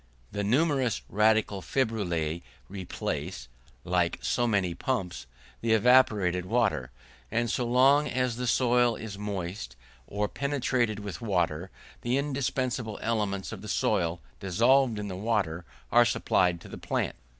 The numerous radical fibrillae replace, like so many pumps, the evaporated water; and so long as the soil is moist, or penetrated with water, the indispensable elements of the soil, dissolved in the water, are supplied to the plant.